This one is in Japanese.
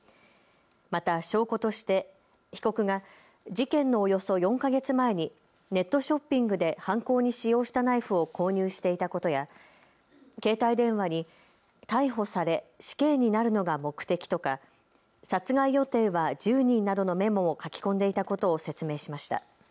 また証拠として被告が事件のおよそ４か月前にネットショッピングで犯行に使用したナイフを購入していたことや携帯電話に逮捕され死刑になるのが目的とか殺害予定は１０人などのメモを書き込んでいたことを説明しました。